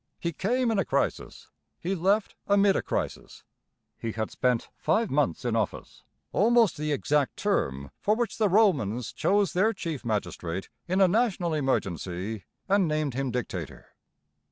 He came in a crisis; he left amid a crisis. He had spent five months in office, almost the exact term for which the Romans chose their chief magistrate in a national emergency and named him dictator.